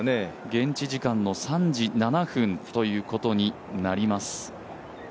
現地時間の３時７分ということになります。